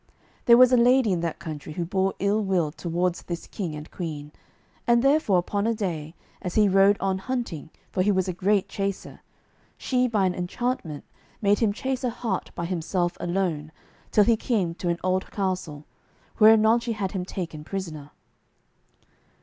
There was a lady in that country who bore ill will towards this king and queen, and therefore upon a day, as he rode on hunting, for he was a great chaser, she by an enchantment made him chase a hart by himself alone till he came to an old castle, where anon she had him taken prisoner.